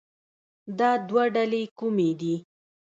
دا دوه ډلې کومې دي